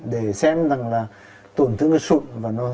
để xem rằng là tổn thương sụn và nó